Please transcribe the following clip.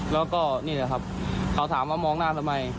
แล้วก็นี่แหละครับเขาถามว่ามองหน้าทำไม